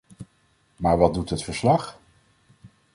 Maar wat doet het verslag?